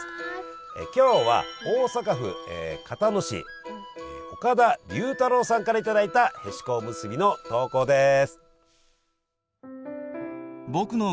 今日は大阪府交野市岡田龍太郎さんから頂いたへしこおむすびの投稿です。